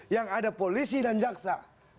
yang ada polisi dan jaksa